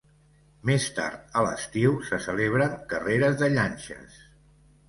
Més tard, a l'estiu, se celebren carreres de llanxes.